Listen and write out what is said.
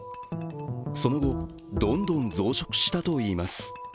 その後、どんどん増殖したといいます。